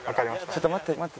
ちょっと待って待って。